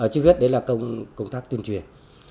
trước hết đấy là công tác tuyên truyền